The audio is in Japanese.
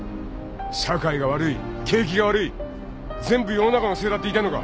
社会が悪い景気が悪い全部世の中のせいだって言いたいのか。